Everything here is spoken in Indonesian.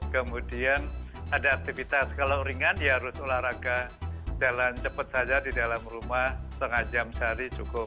kemudian ada aktivitas kalau ringan ya harus olahraga jalan cepat saja di dalam rumah setengah jam sehari cukup